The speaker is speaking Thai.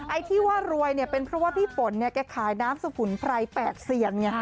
ไอ้ที่ว่ารวยเป็นเพราะว่าพี่ฝนแก่ขายน้ำสภุนภัย๘เสียง